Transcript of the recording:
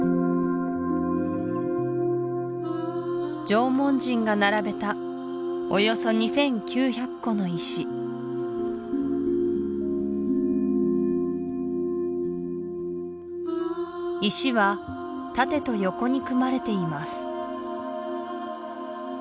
縄文人が並べたおよそ２９００個の石石は縦と横に組まれています